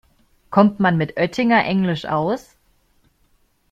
Kommt man mit Oettinger-Englisch aus?